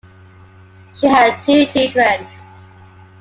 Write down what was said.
She had two children.